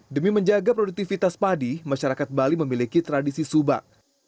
demi menjaga produktivitas padi masyarakat bali memiliki tradisi subak